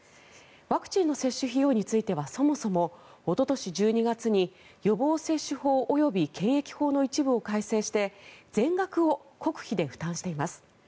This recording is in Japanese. ワクチンの接種費用についてはそもそも、おととし１２月に予防接種法及び検疫法の一部を改正して全額を国費で負担しています。